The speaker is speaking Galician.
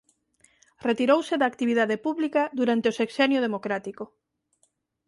Retirouse da actividade pública durante o Sexenio Democrático.